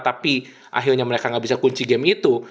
tapi akhirnya mereka gak bisa kunci game itu